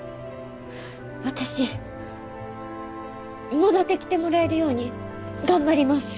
私戻ってきてもらえるように頑張ります。